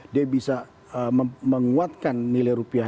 dia bisa menguatkan nilai rupiah